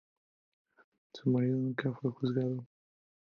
Su marido nunca fue juzgado.